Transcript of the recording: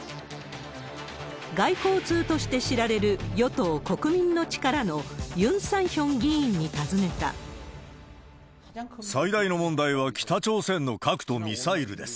外交通として知られる与党・国民の力のユン・サンヒョン議員に尋最大の問題は、北朝鮮の核とミサイルです。